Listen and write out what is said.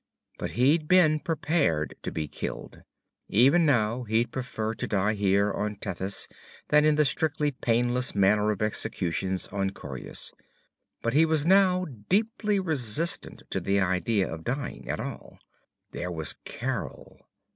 But he'd been prepared to be killed. Even now he'd prefer to die here on Tethys than in the strictly painless manner of executions on Coryus. But he was now deeply resistant to the idea of dying at all. There was Carol....